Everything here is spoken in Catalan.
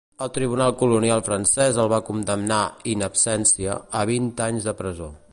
El tribunal colonial francès el va condemnar "in absentia" a vint anys de presó.